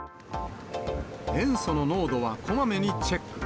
塩素の濃度はこまめにチェック。